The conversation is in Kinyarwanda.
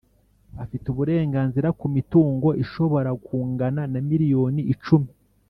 afite uburenganzira ku mitungo ishobora kungana na miliyoni icumi